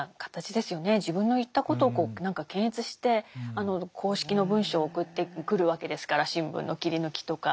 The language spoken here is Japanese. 自分の言ったことを何か検閲して公式の文章を送ってくるわけですから新聞の切り抜きとか。